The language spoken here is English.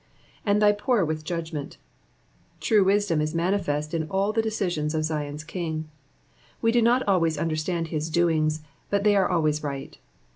"^And thy poor with jui/gnient,''^ True wisdom is manifest in all the decisions of Zion's King. We do not always understand his doings, but they are always right.